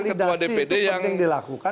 validasi itu pasti yang dilakukan